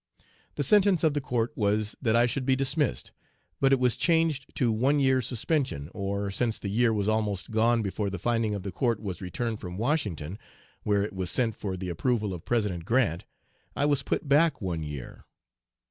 The sentence of the court was that I should be dismissed, but it was changed to one year's suspension, or, since the year was almost gone before the finding of the court was returned from Washington, where it was sent for the approval of President Grant, I was put back one year.